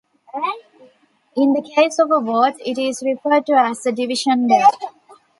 In the case of a vote, it is referred to as the division bell.